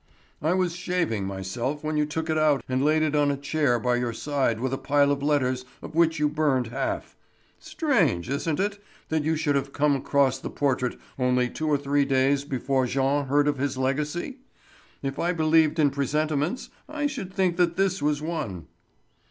I was shaving myself when you took it out and laid in on a chair by your side with a pile of letters of which you burned half. Strange, isn't it, that you should have come across the portrait only two or three days before Jean heard of his legacy? If I believed in presentiments I should think that this was one."